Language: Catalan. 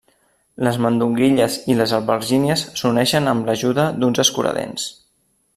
Les mandonguilles i les albergínies s'uneixen amb l'ajuda d'uns escuradents.